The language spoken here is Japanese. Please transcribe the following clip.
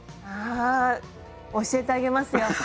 あ教えてあげますよ。